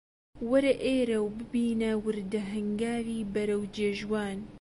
وەرە ئێرە و ببینە وردە هەنگاوی بەرەو جێژوان